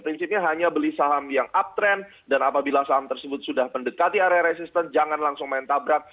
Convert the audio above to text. prinsipnya hanya beli saham yang uptrend dan apabila saham tersebut sudah mendekati area resisten jangan langsung main tabrak